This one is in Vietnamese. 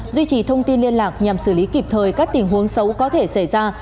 duy trì thông tin liên lạc nhằm xử lý kịp thời các tình huống xấu có thể xảy ra